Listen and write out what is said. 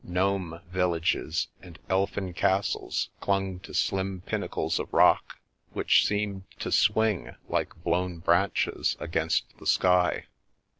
Gnome villages and elfin castles clung to slim pinnacles of rock which seemed to swing, like blown branches, against the sky.